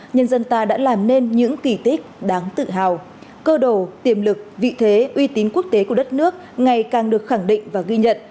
nhân dân ta đã làm nên những kỳ tích đáng tự hào cơ đồ tiềm lực vị thế uy tín quốc tế của đất nước ngày càng được khẳng định và ghi nhận